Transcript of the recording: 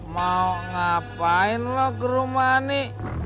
mau ngapain loh ke rumah ani